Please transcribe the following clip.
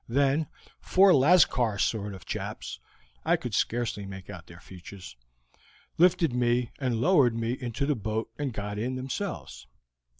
Then four Lascar sort of chaps I could scarcely make out their features lifted me and lowered me into the boat and got in themselves.